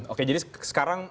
oke jadi sekarang